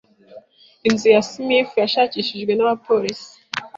Inzu ya Smith yashakishijwe n’abapolisi.